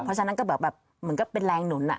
เพราะฉะนั้นก็แบบเหมือนก็เป็นแรงหนุน